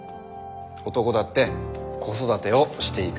男だって子育てをしていく必要がある。